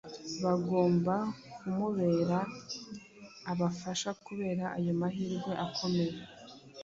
bagomba kumubera abafasha Kubera aya mahirwe akomeye,